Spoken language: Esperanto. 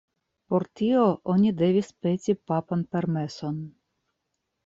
Por tio oni devis peti papan permeson.